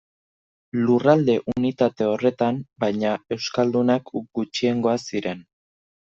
Lurralde unitate horretan, baina, euskaldunak gutxiengoa ziren.